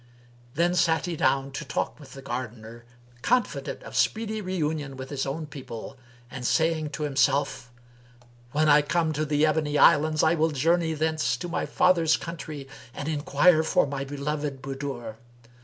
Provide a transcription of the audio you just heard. Then sat he down to talk with the gardener, confident of speedy reunion with his own people and saying to himself, "When I come to the Ebony Islands I will journey thence to my father's country and enquire for my beloved Budur.